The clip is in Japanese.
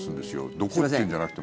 どこっていうんじゃなくても。